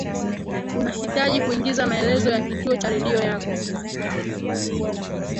unahitaji kuingiza maelezo ya kituo cha redio yako